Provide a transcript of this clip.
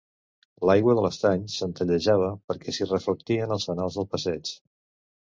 L'aigua de l'estany centellejava perquè s'hi reflectien els fanals del passeig.